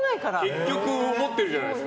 結局思ってるじゃないですか。